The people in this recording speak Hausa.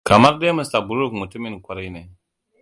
Kamar dai Mr. Brook mutumin kwarai ne.